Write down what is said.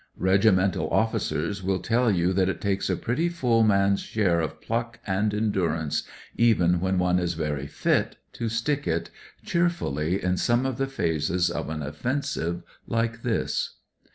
Regunental officers will teU you that it takes a pretty full man's share of pluck and endurance, even when one is very fit, to * stick it ' cheerfully in some of the phases of an offensive Uke this.